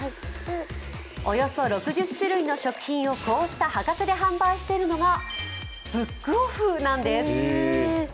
およそ６０種類の食品をこうした破格の価格で販売しているのがブックオフなんです。